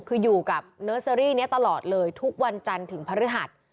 คืออยู่กับเนอร์เซอรี่นี้ตลอดเลยทุกวันจันทร์ถึงพฤหัส